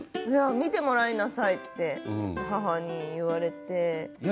見てもらいなさいって母に言われて。